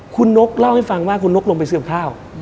คุณนกเล่าให้ฟังว่าคุณนกลงไปเสื่อมข้าว